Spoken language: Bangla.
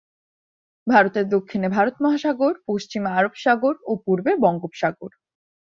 ভারতের দক্ষিণে ভারত মহাসাগর, পশ্চিমে আরব সাগর ও পূর্বে বঙ্গোপসাগর।